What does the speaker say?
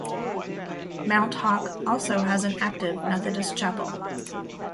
Mount Hawke also has an active Methodist chapel.